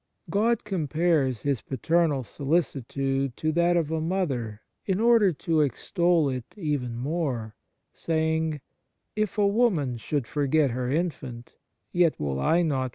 God compares His paternal solicitude to that of a mother in order to extol it even more, saying: " If a woman should forget her infant, yet will I not.